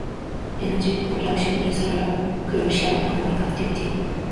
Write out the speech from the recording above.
Energy production is a crucial economic activity.